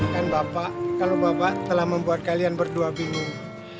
kan bapak kalau bapak telah membuat kalian berdua bingung